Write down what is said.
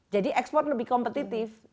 jadi ekspor lebih kompetitif